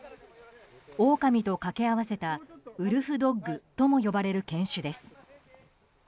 オオカミと掛け合わせたウルフドッグとも呼ばれる犬種です。